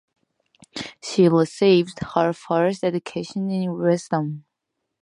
She received her first education in Rotterdam.